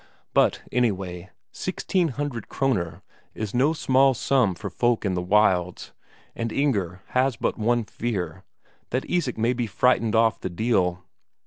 But, anyway, sixteen hundred Kroner is no small sum for folk in the wilds, and Inger has but one fear, that Isak may be frightened off the deal.